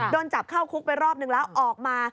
โดนจับเข้าคุกไปรอบนึงแล้วออกมา